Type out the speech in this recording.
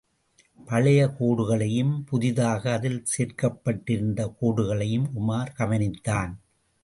பழைய கோடுகளையும், புதிதாக அதில் சேர்க்கப்பட்டிருந்த கோடுகளையும் உமார் கவனித்தான்.